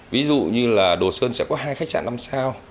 ví dụ như là đồ sơn sẽ có hai khách sạn năm sao